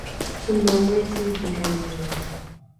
Su nombre significa "Nieve".